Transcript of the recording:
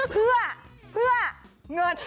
เพื่อเพื่อเงิน